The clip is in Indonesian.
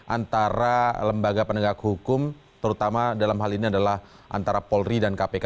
antara lembaga penegak hukum terutama dalam hal ini adalah antara polri dan kpk